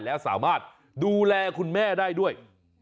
แล้วสามารถดูแลคุณแม่ได้ด้วย